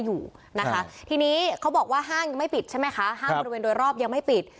อยู่นะคะทีนี้เขาบอกว่าห้างยังไม่ปิดใช่ไหมคะห้างบริเวณโดยรอบยังไม่ปิด